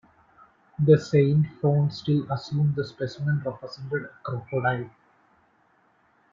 De Saint-Fond still assumed the specimen represented a crocodile.